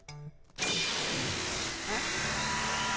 えっ？